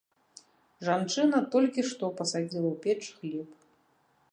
Жанчына толькі што пасадзіла ў печ хлеб.